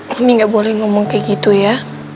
mami gak boleh ngomong kayak gitu ya